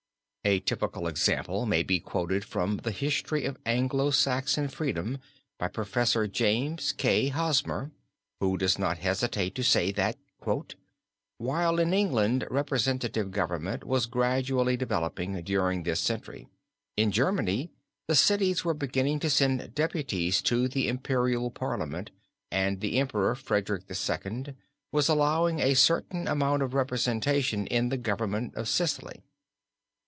A typical example may be quoted from the History of Anglo Saxon Freedom by Professor James K. Hosmer, [Footnote 31] who does not hesitate to say that "while in England representative government was gradually developing during this century, in Germany the cities were beginning to send deputies to the Imperial Parliament and the Emperor, Frederick II., was allowing a certain amount of representation in the Government of Sicily.